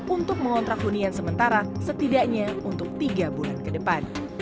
untuk mengontrak hunian sementara setidaknya untuk tiga bulan ke depan